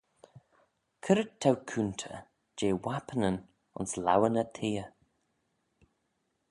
C'red t'ou coontey jeh wappinyn ayns laueyn y theay?